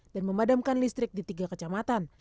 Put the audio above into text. dan memadamkan listrik di tiga kecamatan